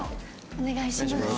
お願いします。